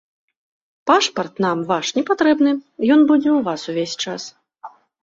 Пашпарт нам ваш не патрэбны, ён будзе ў вас увесь час.